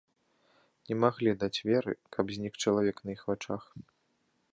Не маглі даць веры, каб знік чалавек на іх вачах.